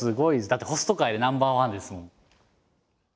だってホスト界でナンバーワンですもん。